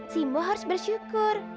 si mbok harus bersyukur